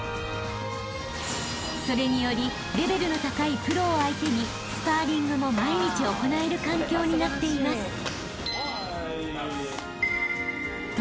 ［それによりレベルの高いプロを相手にスパーリングも毎日行える環境になっています］